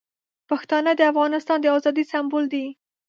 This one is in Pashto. پښتانه د افغانستان د ازادۍ سمبول دي.